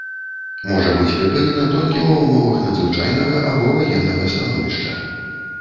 Можа быць прыпынена толькі ва ўмовах надзвычайнага або ваеннага становішча.